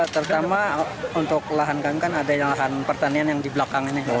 terutama untuk lahan kami kan ada yang lahan pertanian yang di belakang ini